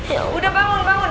ya udah bangun bangun